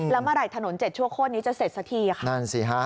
แล้วเมื่อไหร่ถนนเจ็ดชั่วโค้ดนี้จะเสร็จสักที